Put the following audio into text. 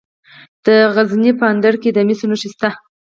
د غزني په اندړ کې د مسو نښې شته.